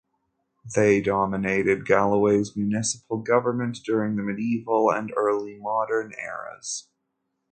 They dominated Galway's municipal government during the medieval and early modern eras.